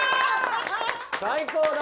最高だ！